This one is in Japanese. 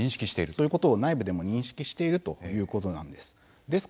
そういうことを内部でも認識しているということなんです。